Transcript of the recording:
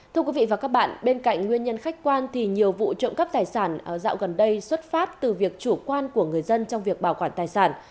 thưa quý vị và các bạn bên cạnh nguyên nhân khách quan thì nhiều vụ trộm cắp tài sản dạo gần đây xuất phát từ việc chủ quan của người dân trong việc bảo quản tài sản